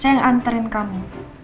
saya yang anterin kamu